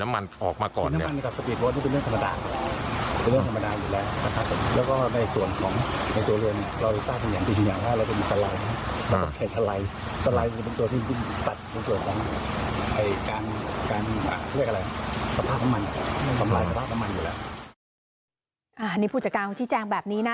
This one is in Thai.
อันนี้ผู้จัดการของชิ้นแจงแบบนี้นะ